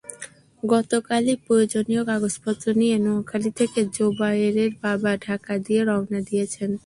গতকালই প্রয়োজনীয় কাগজপত্র নিয়ে নোয়াখালী থেকে জোবায়েরের বাবা ঢাকার দিকে রওনা দিয়েছেন।